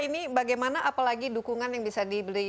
ini bagaimana apalagi dukungan yang bisa dibeli